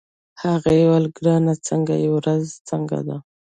هغې وویل: ګرانه څنګه يې، ورځ څنګه ده؟